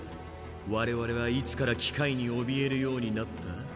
我々はいつから機械におびえるようになった？